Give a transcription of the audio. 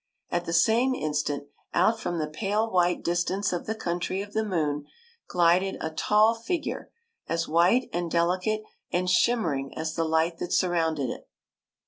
At the same instant, out from the pale white distance of the country of the moon glided a tall figure, as white and delicate and shimmer ing as the light that surrounded it.